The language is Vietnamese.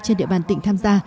trên địa bàn tỉnh tham gia